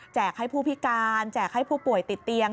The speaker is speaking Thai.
ให้ผู้พิการแจกให้ผู้ป่วยติดเตียง